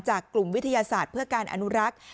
กลุ่มวิทยาศาสตร์เพื่อการอนุรักษ์